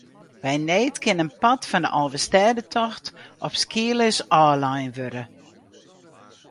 By need kin in part fan de Alvestêdetocht op skeelers ôflein wurde.